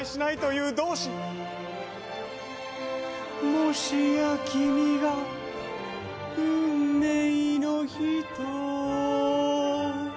「もしや君が運命の人」